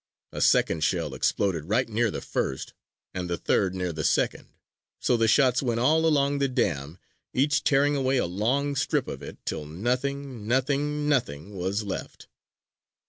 A second shell exploded right near the first, and a third near the second. So the shots went all along the dam, each tearing away a long strip of it till nothing, nothing, nothing was left.